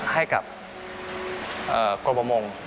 ให้กับกรมประมง